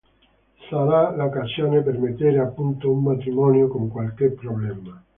Sarà l'occasione per mettere a punto un matrimonio con qualche problema.